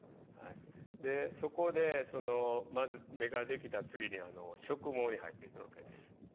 でそこでそのまず目ができた次に植毛に入っていくわけです。